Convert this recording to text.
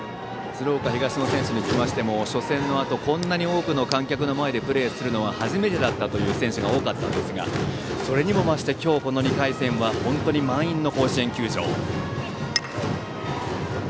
鶴岡東の選手に聞きましても、初戦のあとこんなに多くの観客の前でプレーするのは初めてだったという選手が多かったんですがそれにも増して、今日の２回戦は満員の甲子園球場。